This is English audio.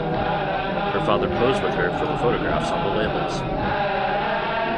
Her father posed with her for the photographs on the labels.